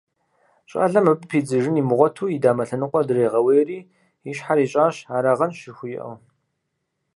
Щалэм абы пидзыжын имыгъуэту и дамэ лъэныкъуэр дригъэуейри, и щхьэр ищӀащ, «арагъэнщ» жыхуиӀэу.